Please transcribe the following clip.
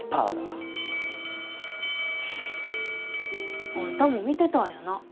あんたも見てたんやな